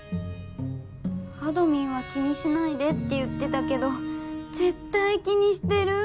あどミンは気にしないでって言ってたけどぜったい気にしてる！